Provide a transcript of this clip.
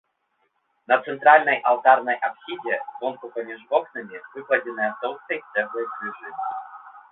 На цэнтральнай алтарнай апсідзе звонку паміж вокнамі выкладзеныя тоўстай цэглай крыжы.